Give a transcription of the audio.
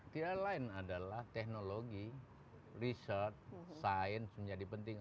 tidak lain adalah teknologi research science menjadi penting